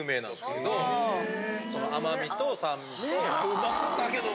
うまそうだけど。